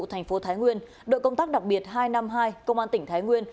thành phố thái nguyên đội công tác đặc biệt hai trăm năm mươi hai công an tỉnh thái nguyên